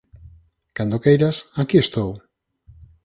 Cando queiras, aquí estou.